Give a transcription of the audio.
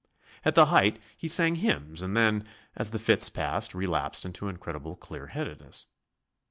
At the height he sang hymns, and then, as the fits passed, relapsed into incredible clear headedness.